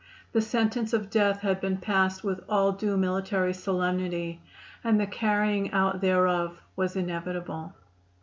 The sentence of death had been passed with all due military solemnity, and the carrying out thereof was inevitable.